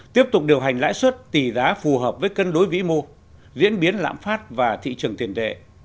tiếp tục điều hành lãi suất tỷ giá phù hợp với cân đối vĩ mô diễn biến lạm phát và thị trường tiền tệ